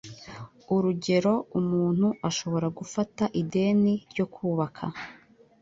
Urugero, umuntu ashobora gufata ideni ryo kubaka